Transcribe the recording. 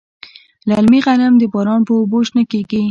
للمي غنم د باران په اوبو شنه کیږي.